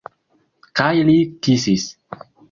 Kaj li kisis.